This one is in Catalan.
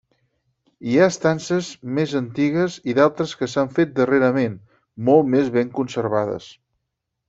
Hi ha estances més antigues i d'altres que s'han fet darrerament, molt més ben conservades.